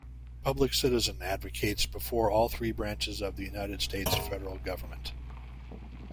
Public Citizen advocates before all three branches of the United States federal government.